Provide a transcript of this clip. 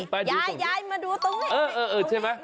ยายมาดูตรงนี้